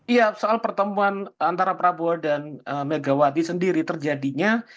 iya soal pertemuan antara prabowo dan megawati sendiri terjadinya